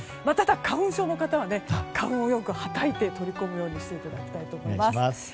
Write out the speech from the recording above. ただ、花粉症の方は花粉をよくはたいて取り込むようにしていただきたいと思います。